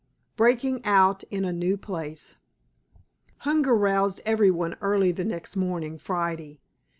BREAKING OUT IN A NEW PLACE Hunger roused everybody early the next morning, Friday.